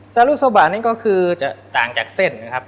สรุปโซบะนี่ก็คือจะต่างจากเส้นนะครับ